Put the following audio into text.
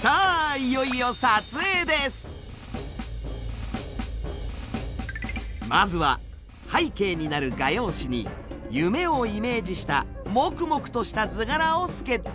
いよいよまずは背景になる画用紙に夢をイメージしたモクモクとした図柄をスケッチ。